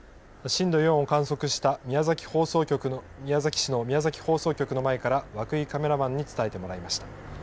震度４を観測した宮崎市の宮崎放送局の前から涌井カメラマンに伝えてもらいました。